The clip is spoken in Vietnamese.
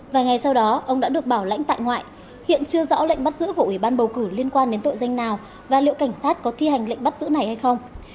vài ngày sau đó ông đã được bảo lãnh tại ngoại hiện chưa rõ lệnh bắt giữ của ủy ban bầu cử liên quan đến tội danh nào và liệu cảnh sát có thi hành lệnh bắt giữ này hay không